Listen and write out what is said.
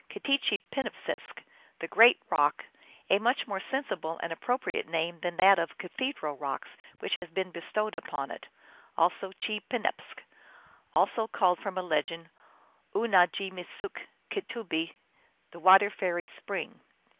8 K?tchee penabesk, "the great rock," a much more sensible and appropriate name than that of " Cathedral Rocks," which has been bestowed upon it ; also chee penabsk. 4 Also called from a legend, Oonahgemessuk k tubbee, the Water Fairies Spring.